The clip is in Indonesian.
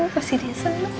kasih dia senang